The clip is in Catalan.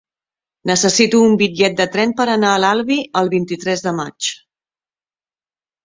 Necessito un bitllet de tren per anar a l'Albi el vint-i-tres de maig.